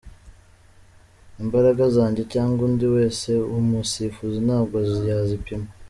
Imbaraga zanjye cyangwa undi wese umusifuzi ntabwo yazipima .